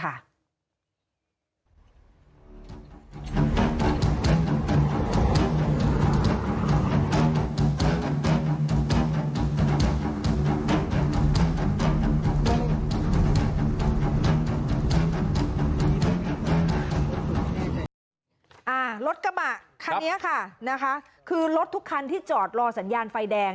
รถกระบะคันนี้ค่ะนะคะคือรถทุกคันที่จอดรอสัญญาณไฟแดง